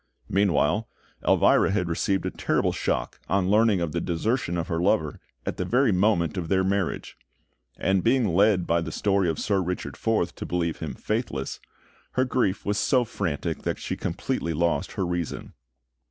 Meanwhile, Elvira had received a terrible shock on learning of the desertion of her lover at the very moment of their marriage; and being led by the story of Sir Richard Forth to believe him faithless, her grief was so frantic that she completely lost her reason.